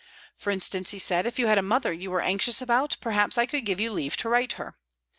" For instance," he said, " if you had a mother you were anxious about, perhaps I could give you leave to write to her."